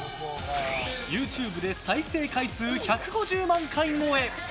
ＹｏｕＴｕｂｅで再生回数１５０万回超え。